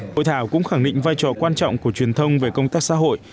hội thảo cũng khẳng định vai trò quan trọng của truyền thông về công tác xã hội